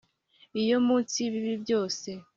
iyo munsi y'ibibi byose